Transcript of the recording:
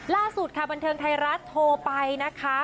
ล่าสุดค่ะบันเทิงไทยรัฐโทรไปนะคะ